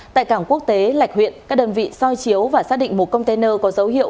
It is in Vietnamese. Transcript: tại cảng quốc tế lạch huyện các đơn vị soi chiếu và xác định một container có dấu hiệu